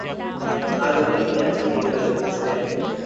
আদতে তিনি একজন গেরিলা যোদ্ধা ছিলেন।